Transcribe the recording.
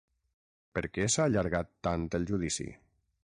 Per què s’ha allargat tant el judici?